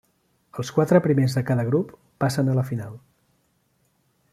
Els quatre primers de cada grup passen a la final.